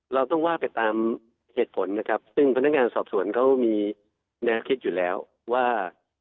เราต้องว่าไปตามเหตุผลนะครับซึ่งพนักงานสอบสวนเขามีแนวคิดอยู่แล้วว่า